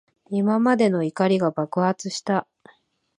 今までの怒りが爆発した。